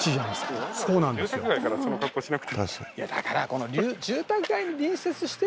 住宅街からその格好しなくても。